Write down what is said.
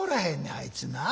あいつな。